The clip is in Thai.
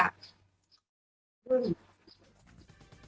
หนึ่ง